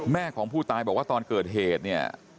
แม่ของผู้ตายบอกว่าตอนเกิดเหตุเนี่ย